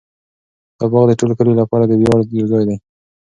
دا باغ د ټول کلي لپاره د ویاړ یو ځای دی.